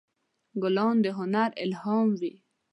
ګلان د هنر الهام وي.